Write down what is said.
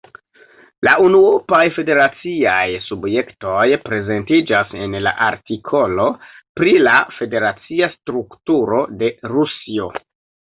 La unuopaj federaciaj subjektoj prezentiĝas en la artikolo pri la federacia strukturo de Rusio.